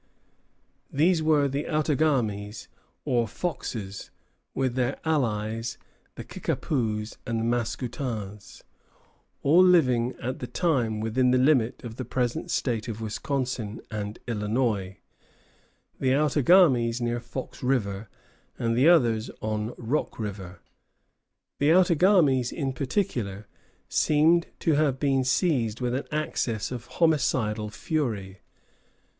These were the Outagamies, or Foxes, with their allies, the Kickapoos and the Mascoutins, all living at the time within the limits of the present States of Wisconsin and Illinois, the Outagamies near Fox River, and the others on Rock River. The Outagamies, in particular, seem to have been seized with an access of homicidal fury.